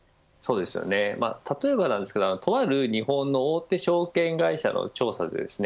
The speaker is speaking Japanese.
例えばなんですがとある日本の大手証券会社の調査でですね